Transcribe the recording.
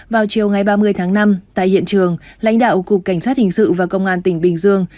vào chiều ngày ba mươi tháng năm tại hiện trường lãnh đạo cục cảnh sát hình sự và công an tỉnh bình dương